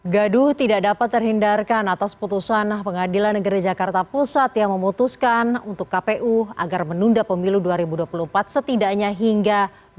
gaduh tidak dapat terhindarkan atas putusan pengadilan negeri jakarta pusat yang memutuskan untuk kpu agar menunda pemilu dua ribu dua puluh empat setidaknya hingga dua ribu dua puluh empat